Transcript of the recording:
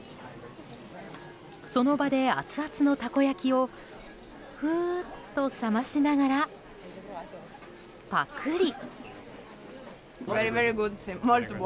その場で熱々のたこ焼きをフーっと冷ましながらパクリ。